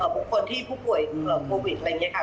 บุคคลที่ผู้ป่วยโควิดอะไรอย่างนี้ค่ะ